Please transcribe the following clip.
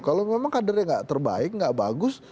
kalau memang kadernya gak terbaik gak bagus